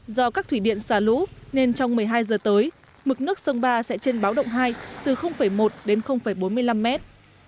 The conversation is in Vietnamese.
do các thủy điện xả lũ nên trong một mươi hai giờ tới mực nước sông ba sẽ trên báo động hai từ một đến bốn mươi năm mét